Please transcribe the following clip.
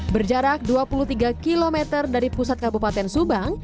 berjarak dua puluh tiga km dari pusat kabupaten subang